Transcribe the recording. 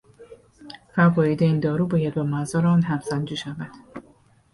فواید این دارو باید با مضار آن همسنجی شود.